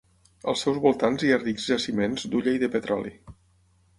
Als seus voltants hi ha rics jaciments d’hulla i de petroli.